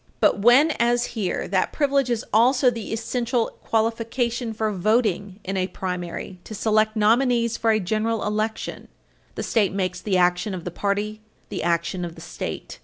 But when, as here, that privilege is also the essential qualification for voting in a primary to select nominees for a general election, the state makes the action Page 321 U. S. 665 of the party the action of the state.